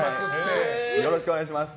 よろしくお願いします。